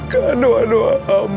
saya tidak yang sudah berkata